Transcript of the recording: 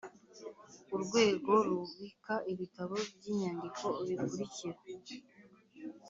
urwego rubika ibitabo by inyandiko bikurikira